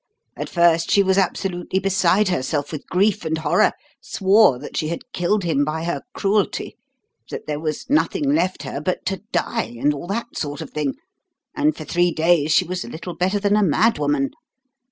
At first she was absolutely beside herself with grief and horror; swore that she had killed him by her cruelty; that there was nothing left her but to die, and all that sort of thing; and for three days she was little better than a mad woman.